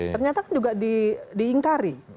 ternyata kan juga diingkari